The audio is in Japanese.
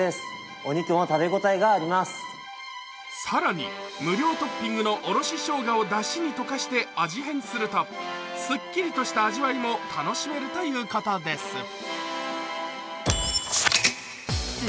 更に、無料トッピングのおろししょうがをだしにとかして味変すると、すっきりとした味わいも楽しめるということです。